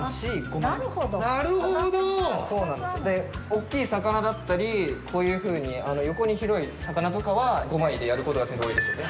大きい魚だったりこういうふうに横に広い魚とかは５枚でやることが先生多いですよね。